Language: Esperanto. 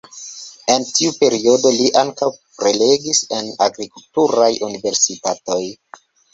En tiu periodo li ankaŭ prelegis en agrikulturaj universitatoj.